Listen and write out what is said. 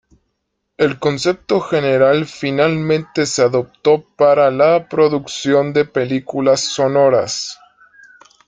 El concepto general finalmente se adoptó para la producción de películas sonoras.